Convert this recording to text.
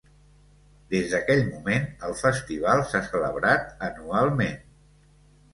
Des d'aquell moment, el festival s"ha celebrat anualment.